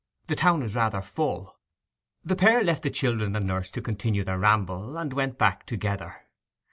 The town is rather full.' The pair left the children and nurse to continue their ramble, and went back together.